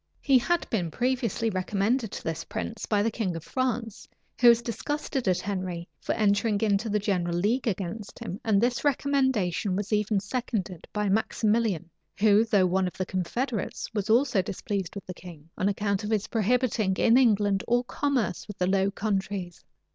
He had been previously recommended to this prince by the king of France, who was disgusted at Henry for entering into the general league against him; and this recommendation was even seconded by Maximilian, who, though one of the confederates, was also displeased with the king, on account of his prohibiting in England all commerce with the Low Countries.